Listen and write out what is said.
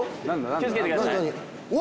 ・気をつけてくださいうわ